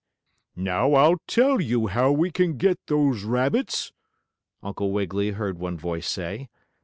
"Now, I'll tell you how we can get those rabbits," Uncle Wiggily heard one voice say.